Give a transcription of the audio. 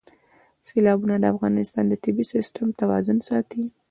سیلابونه د افغانستان د طبعي سیسټم توازن ساتي.